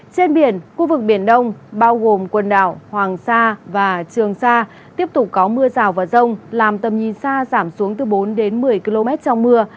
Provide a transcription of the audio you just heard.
trên biển khu vực biển đông bao gồm quần đảo hoàng sa và trường sa tiếp tục có mưa rào và rông làm tầm nhìn xa giảm xuống từ bốn đến một mươi km trong mưa